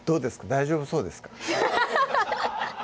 大丈夫そうですか？